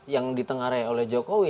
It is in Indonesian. yang ditengah raya oleh jokowi